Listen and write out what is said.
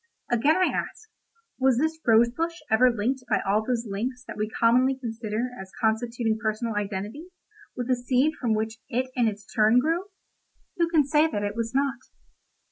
Again I ask: 'Was this rose bush ever linked by all those links that we commonly consider as constituting personal identity, with the seed from which it in its turn grew?' Who can say that it was not?